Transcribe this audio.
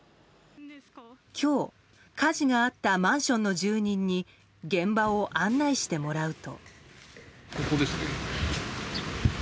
今日、火事があったマンションの住人に現場を案内してもらうと。